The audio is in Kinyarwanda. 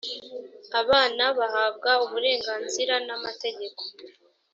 abana bahabwa uburenganzira n’amategeko